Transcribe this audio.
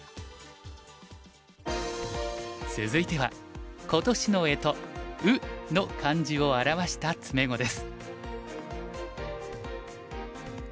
続いては今年の干支「卯」の漢字を表した詰碁です。